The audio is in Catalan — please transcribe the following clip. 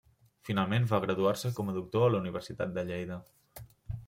Finalment va graduar-se com a doctor a la Universitat de Lleida.